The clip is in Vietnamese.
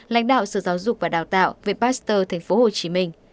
lãnh đạo sự giáo dục và đào tạo về pasteur tp hcm